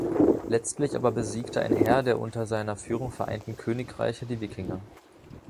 Letztlich aber besiegte ein Heer der unter seiner Führung vereinten Königreiche die Wikinger.